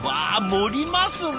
盛りますね！